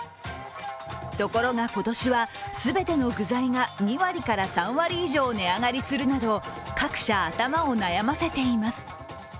ところが、今年は全ての具材が２割から３割以上値上がりするなど各社、頭を悩ませています。